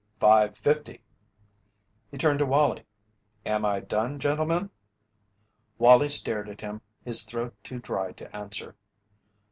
"Five fifty!" He turned to Wallie: "Am I done, gentlemen?" Wallie stared at him, his throat too dry to answer.